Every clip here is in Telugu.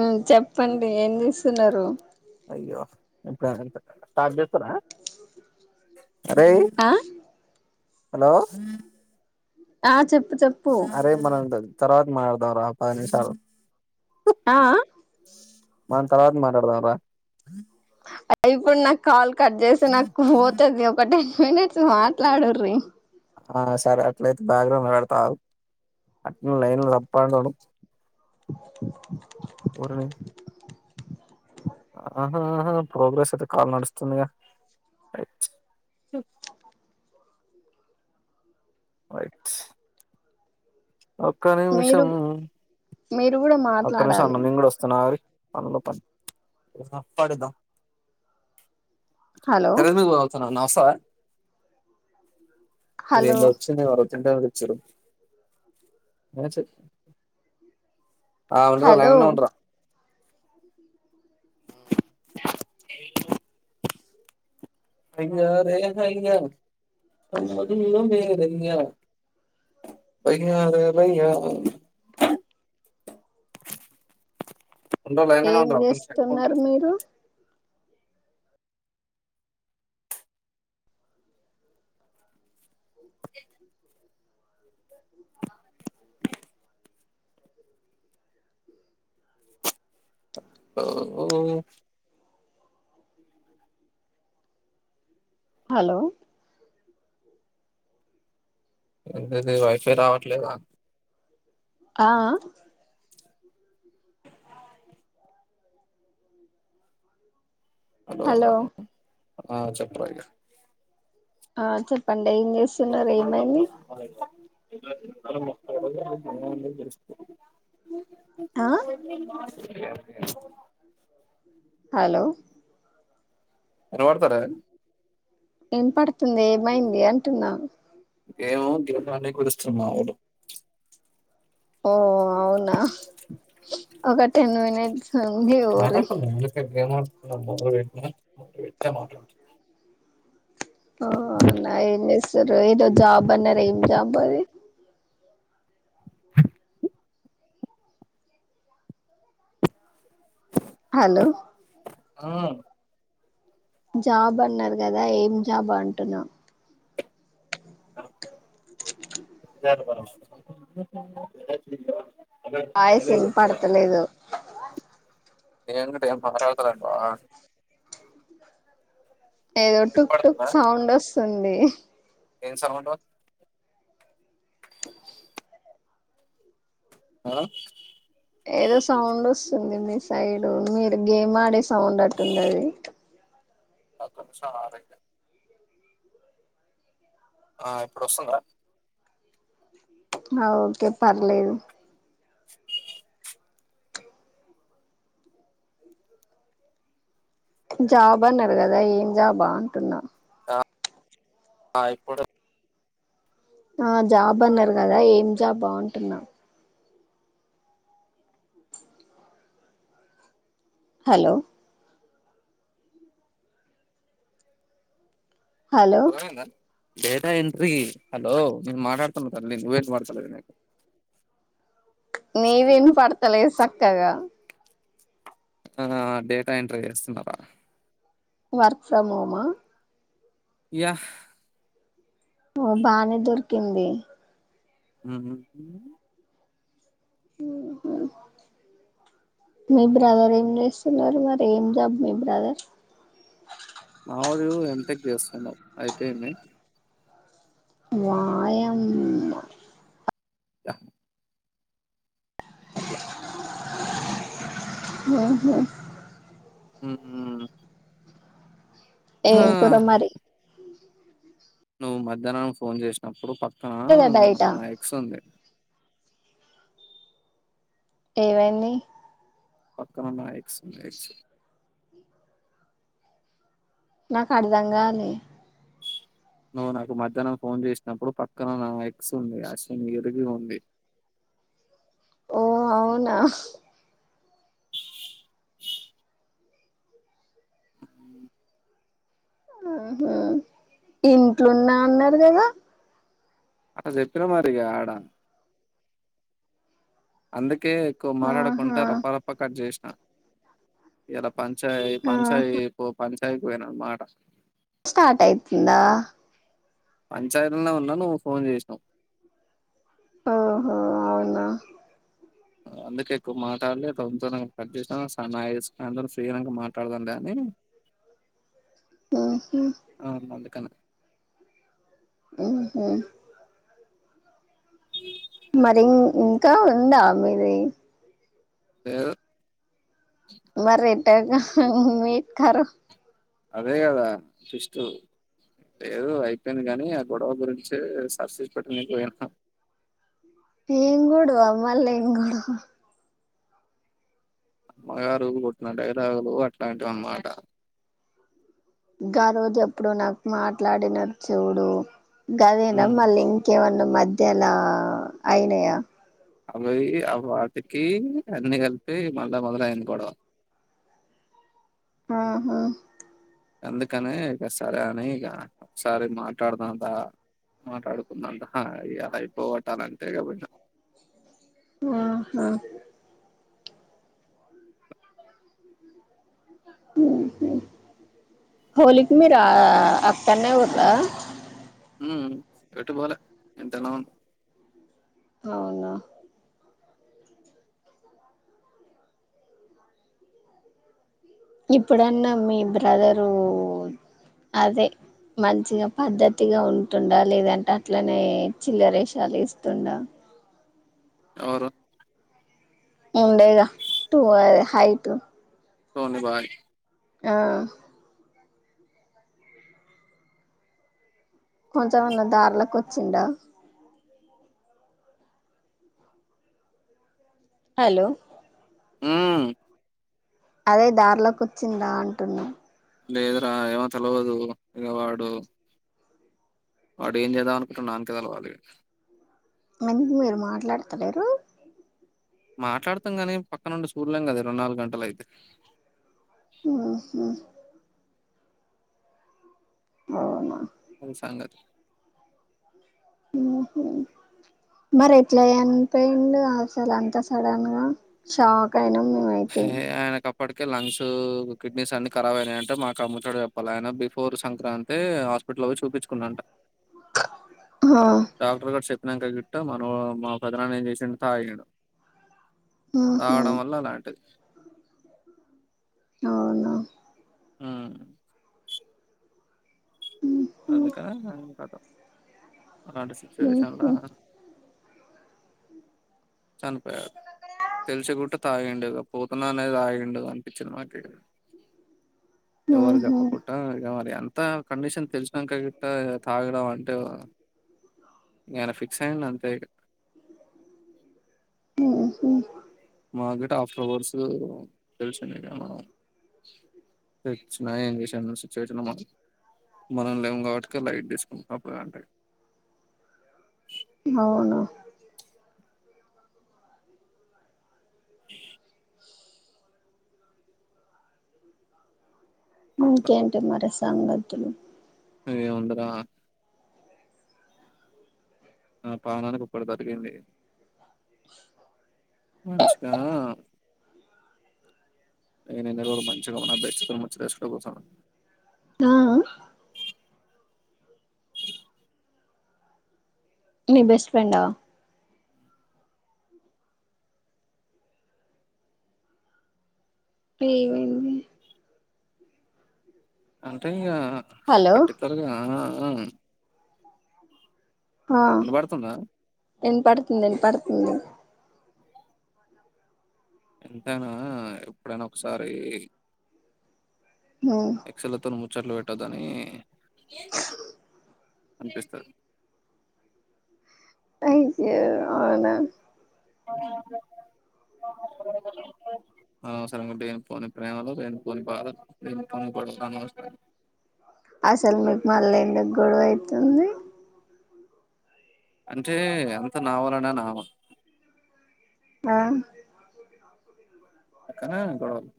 ఆహ్ చెప్పండి ఏం చేస్తున్నారు. అయ్యో ఇంకా [unintelligible] స్టార్ట్ చేస్తారా. అరేయ్. ఆ హలో. ఆహ్ చెప్పు. చెప్పు అరే మనం ఉంటది. తర్వాత మాట్లాడుదాం రా పది నిమీషాలు. ఆహ్ హ్. దాని తర్వాత మాట్లాడుదాం రా. అయిపోయినాయి నా కాల్. కట్ చేస్తున్న నాకు పోతది ఒకటే. పిన్ని ఇట్సడ్ మాట్లాడండి. ఆహ్ సరే అట్లాయితే బ్యాక్గ్రౌండ్ పెడత ఆగు. నువ్వు లైన్ లో [unintelligible] రోరమైన్. ఆహా ఆహా ప్రోగ్రెస్ అయితే కాల్ నడుస్తుందిగా రైట్. రైట్. ఒక్క మీరు నిమిషం మీరు కూడా ఒక్క మాట్లాడాలి నిమిషం నేను కూడా వస్తున్నా ఆడికి. పనిలో పని రేపు రఫ్ ఆడిద్దాం. హలో సరే మీ బతున్న నాఫ్. పా ఇది హలో ఎందో వచ్చింది వరు. [unintelligible] వచ్చిండ్రు. మేడం చెప్పు. ఆహ్ ఉండరా హలో లైన్ లో ఉండరా. అయ్యో లేలేదా ఇంగా సమ్మదులో మీరే యా భయం కాదు కదా ఇంగ ఉండవు లైన్ లోనే ఏం ఉండవు ఒక్క నిమిషం చేస్తున్నారు పెట్టు. మీరు ఓ హలో అట్టయితే వాఫై రావట్లేద ఆ ఆ హలో ఆ చెప్పరా ఇంగ ఆ చెప్పండి ఏ ఏం చేస్తున్నారు ఏమైంది [unintelligible] ఆ ఏంది హలో వినవడతర వినపడుతుంది ఏమైంది అంటున్నా ఏమో గీతన్ని కురుస్తున్నావు ఓ అవునా ఒక టెన్ మినిట్స్ హ లేేవ ర ఏం మాట్లాడతబ్బా నేను ఇట్లే మాట్లాడుతా ఆ నా ఏం చేస్తురి ఏదో జాబ్ అన్నారు ఏం జాబు అది హలో ఆ జాబ్ అన్నారు కదా ఏం జాబ్ అంటున్నా [unintelligible] పాయసం పడతలేదు ఎందుకట మారవతులంట ఏదో టుక్ టుక్ సౌండ్ వస్తున్ ది ఏన్సగుంట ఆ ఏదో సౌండ్ వస్తుంది మీ సైడ్ మీరు గేమ్ ఆడే సౌండ్ అట్టుంది అది ఆ కొంచం ఆహ్రకా? ఆ ఇప్పుడు వస్తుందా? హా ఓకే! పర్లేదు. జాబ్ అన్నారు కదా? ఏం జాబ్ అంటున్నా? ఆ, ఆ ఇపుడు? ఆ జాబ్ అన్నారు కదా? ఏం జాబ్ అంటున్నా? హలో. హలో. అర్థమైందా డేటా ఎంట్రీ. హలో నేను మాట్లాడుతున్నా తల్లి, నువ్వే ఇనపడట్లేదు నీకు. నువ్వేం పడట్లేస్. సక్కగా. ఆహ్, డేటా ఎంట్రీ చేస్తున్నారు రా? వర్క్ ఫ్రం హోమ్ ఆ? యా! ఓ బానే దొరికింది. ఉహూ హూ. ఉహూ, మీ బ్రదర్ ఏం చేస్తున్నారు? మరి ఏం జబ్ మీ బ్రదర్? మా వోడు ఎం టెక్ చేస్తుండు. అయితే ఏంది? వాయమ్మో! యా! అట్లా. ఆహా! హ్మ్మ్. ఏం కుర్రా మరి? నువ్వు మధ్యానం ఫోన్ చేసినప్పుడు, పక్క. ఉంటద కదా బయట? ఏంవ్యేంది? పక్కన ఉన్న ఎక్స్, ఉంది ఎక్స్. నాకు అర్థం కాలే? నువ్వు నాకు మధ్యానం ఫోన్ చేసినప్పుడు పక్కన నా ఎక్స్ ఉంది, ఎక్స్ ఉంది, ఎదురుగా ఉంది. ఓ అవునా? ఉహూ ఇంట్లో ఉన్న అన్నారు కదా? ఆ జెప్పిన మాట, ఇగ అదా. అందుక. కే ఎక్కువ ఆహా మాట్లాడకుంటా, రప్ప రప్ప కట్ జేశ్. ఆ ఇయాల. పంచాయ్ పంచాయ్ ఆహా పో. పంచాయికి పోయిన మాట. స్టార్ట్ అయితుందా? పంచాయితీ ఉన్నం ఉన్నా, నువ్ ఫోన్ జేశినవ్. ఓహో అవునా? ఆ అందుకే ఎక్కువ మాటాడలే. టోన్ తొందరగా కట్ జేశినా, సా నా ఎయ్సు అందరు ఫ్రీ అయినాక మాట్లాడదాం లే అని. ఉహు ఆహ్ అవును అందుకనే. ఉమ్ ఊహు. మరిం ఇన్ ఇంకా ఉందా మీది. లేదు. మరీ ఎప్. Meet car. అదే కదా ట్విస్టు లేదు అయిపోయింది కానీ ఆ గొడవ గురించే సర్సిస్ పెట్ట పోయినా. ఏం గొడవ మల్లేం గొడవ. అమ్మగారు కొట్టిన డైలాగులు అట్లాంటివి అన్నమాట. ఇంకా రోజు ఎప్పుడో నాకు మాట్లాడిన చూడు. గదేనా ఉమ్. మళ్ళీ ఇంకేమన్నాన. మధ్యలా అయినాయా. అవి ఆ వాటికి అన్ని కలిపి మళ్ళా మొదలయ్యింది గొడవ. ఆహా. అందుకనే ఇగ సరే అని ఇగ ఒకసారి మాట్లాడదాం దా మాట్లాడుకుందాం దా ఇగ అయిపోతదీ అంటే ఇగ పోయిన. ఆహా. ఉమ్ ఊహు హోళీ కి మీరు ఆ అక్కడనే ఉండ్రా. ఉమ్ ఎటు పోలే ఇంట్లోనే ఉన్. అవునా. ఇప్పుడాన్నా మీ బ్రదరు అదే మంచిగా పద్ధతిగా ఉంటుండా లేదంటే అట్లనే చిల్లరేషాలు ఏస్తుండా. ఎవరు ఉండేగా టూ అదే హైట్. సోని బాయ్. ఆహ్. కొంచెమన్నా దార్లకు వచ్చిండా. హలో. ఉమ్ అదే దారిలోకోచ్చిందా అంటున్నా. లేదురా ఏమో తెలవదు ఇక వాడు వాడు ఏం చేద్దాం అనుకుంటుండో వానికే తెలవాలి. ఎందుకు మీరు మాట్లాడతలేరు. మాట్లాడుతాం గాని పక్కనుండి చూడలేం కదా ఇరవై నాలుగు గంటలయితే. ఆహ్ ఆహ్. అవునా. అది సంగతి. ఉమ్మ్ మరి ఎట్లా చనిపోయిండు అసలు అంతా సడన్ గా షాక్ అయినాం మే. హే ఆయనకప్. ఇప్పటికే లంగ్స్ కిడ్నీస్ అన్ని కారాబ్ అయినాయంట మాకు అమ్ము తోడు చెప్పాలి ఆయన బిఫోర్ సంక్రాంతి హాస్పిటల్లో చూపించుకున్నడంట ఆ డాక్టర్ గారు చేప్. నంక గిట్ట మా పెద్దనాన్న ఏం చేసిండు తాగిండు. ఉహు రావడం వల్ల అలాంటిది అవును. ఆహ్. ఉహు అందుకా కదా. అలాంటి ఉహు సిచ్యువేషన్లా చనిపోయాడు తెలిసి కుట్ట తాగిండుగా పోతున్నా అనేది తాగిడుగా అనిపించింది మాకే ఎవర్ ఉహు గప్ప కొట్ట మరి అంత అంత కండిషన్ తెలిసినాక గిట్ల తాగడం అంటే ఇంగ ఏన ఫిక్స్ అయండంతే ఊహు మాకు గిట్ట ఆఫీస్ లో హవర్స్ తె చ్చిన ఏం చేసాను సిచువేషన్ మనం లేం గాబట్టి లైట్ తీసు అప్పు కంటే అవునా ఇంకేంటి మరి సంగతులు ఏముందిరా ఆ పానానికి ఇక్కడు దరికింది మంచిగ నేనున్న రోజులు మంచిగా ఉన్న ఫ్రెండ్స్ తో ముచ్చటసి కూర్చున్న తా నీ బెస్ట్ ఫ్రెండా అ వెంది అంటే ఇగ హలో పట్టికల్గా ఆ ఆ ఇనబడుతుందా? ఎం పడుతుందం పడుతుంది ఎంతైనా ఎప్పుడైనా ఒకసారి ఉ ఎక్స్ లో తో పోత ముచ్చట్లు పెట్టదని ఏందా అనిపిస్తుంది అయ్యో అవున అనవసరంగా లేని పోనీ ప్రేమలు లేని పోనీ బాధ నేను పోని పడతా అసలు మీకు మళ్ళ ఎందుకు గొడవ అయితుంది అంటే అంత నావాలన అని ఆమె ఆ అక్కన్నే గొడవలు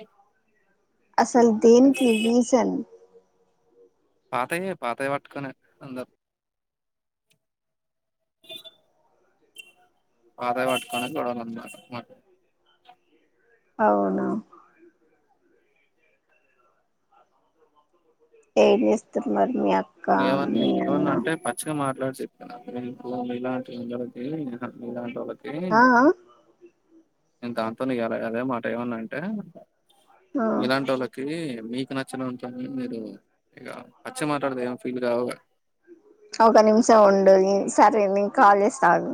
ఎ అస్ దేనికి రీసన్ పాతయే పాతయి పట్టుకొనే అందరూ పాతయి పట్టుకొనే గొడవలు అన్నమాట అవునా ఏం జెస్తాం మరి మీ అక్క ఏమన్నా మీ అన్న నేనేమన్నా అంటే పచ్చిగా మాట్లాడిసి [inaudible] ఆ నేను దాంతో నీ ఎలా అదే మాట ఏమన్నా అంటే ఆ ఇలాంటోళ్ళకి మీ నచ్చిన వాని తోనే ఉంటే మీరు ఇగ పచ్చిగ మాట్లాడితే ఏం ఫీల్ గావుగా ఒక నిమిషం ఉండు సరే నేను కాల్ జేస్తా ఆగు